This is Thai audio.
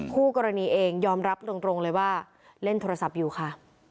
คู่กรณีเองยอมรับตรงเลยว่าเล่นโทรศัพท์อยู่ค่ะ